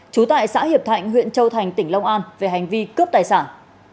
trú tại xã hiệp thạnh huyện châu thành tỉnh long an về hành vi cướp tài sản